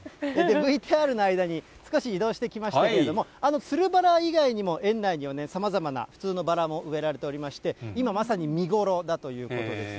ＶＴＲの間に少し移動してきましたけれども、つるバラ以外にも園内にはさまざまな普通のバラも植えられておりまして、今、まさに見頃だということです。